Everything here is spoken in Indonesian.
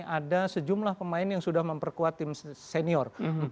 ada sejumlah pemain yang sudah memperkuat tim senior